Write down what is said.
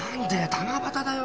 七夕だよ？